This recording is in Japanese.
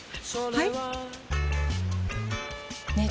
はい！